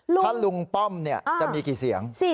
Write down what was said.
ถ้าลุงป้อมเนี่ยจะมีกี่เสียง